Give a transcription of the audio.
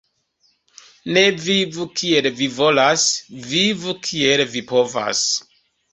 Ne vivu kiel vi volas, vivu kiel vi povas.